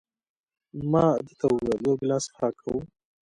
ما ده ته وویل: یو ګیلاس څښاک کوو؟